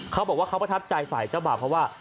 เขาบอกว่าเขาประทับใจฝ่ายเจ้าบ่าวเพราะว่า